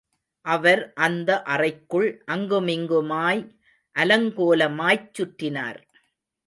அவர் அந்த அறைக்குள் அங்குமிங்குமாய் அலங்கோலமாய்ச் சுற்றினார்.